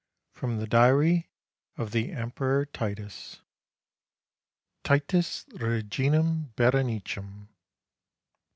IX FROM THE DIARY OF THE EMPEROR TITUS Titus reginam Berenicem